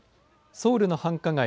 ソウルの繁華街